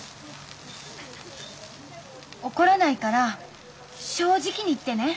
怒らないから正直に言ってね。